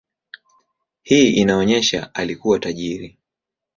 Hii inaonyesha alikuwa tajiri.